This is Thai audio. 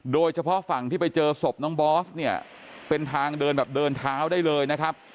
โดยเฉพาะฝั่งที่ไปเจอศพน้องบอสเนี่ยเป็นทางเดินแบบเดินเท้าได้เลยนะครับ